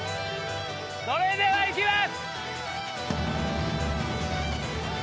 それではいきます！